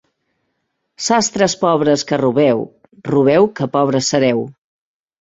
Sastres pobres que robeu, robeu que pobres sereu.